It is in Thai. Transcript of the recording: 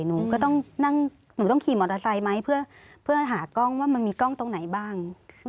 หนูก็ต้องนั่งหนูต้องขี่มอเตอร์ไซค์ไหมเพื่อหากล้องว่ามันมีกล้องตรงไหนบ้าง